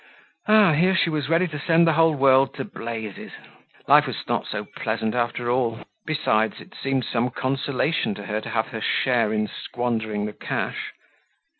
Ah! she was ready to send the whole world to blazes! Life was not so pleasant after all, besides it seemed some consolation to her to have her share in squandering the cash.